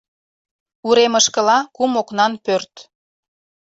Уремышкыла кум окнан пӧрт.